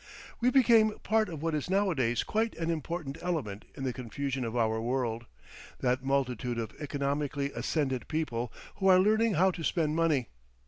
We became part of what is nowadays quite an important element in the confusion of our world, that multitude of economically ascendant people who are learning how to spend money.